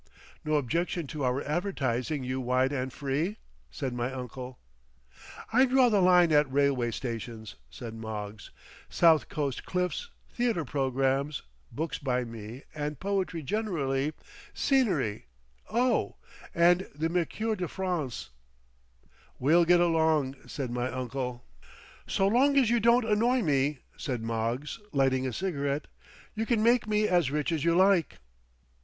"No objection to our advertising you wide and free?" said my uncle. "I draw the line at railway stations," said Moggs, "south coast cliffs, theatre programmes, books by me and poetry generally—scenery—oh!—and the Mercure de France." "We'll get along," said my uncle. "So long as you don't annoy me," said Moggs, lighting a cigarette, "you can make me as rich as you like."